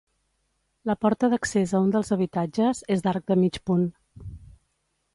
La porta d'accés a un dels habitatges és d'arc de mig punt.